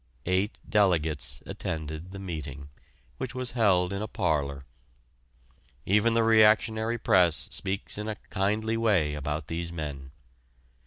Eight delegates attended the meeting, which was held in a parlor. Even the reactionary press speaks in a kindly way about these men.